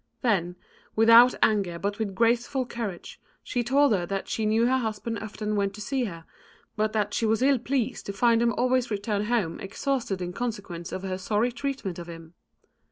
Then, without anger but with graceful courage, she told her that she knew her husband often went to see her, but that she was ill pleased to find him always return home exhausted in consequence of her sorry treatment of him.